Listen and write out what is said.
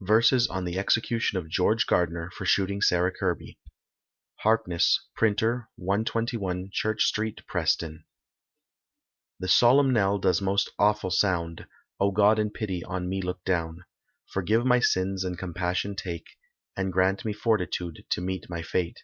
VERSES ON THE EXECUTION OF GEORGE GARDNER, FOR SHOOTING SARAH KIRBY. Harkness, Printer, 121, Church Street, Preston. The solemn knell does most awful sound, Oh God in pity on me look down, Forgive my sins and compassion take, And grant me fortitude to meet my fate.